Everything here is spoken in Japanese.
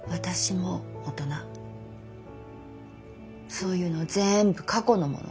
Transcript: そういうの全部過去のもの。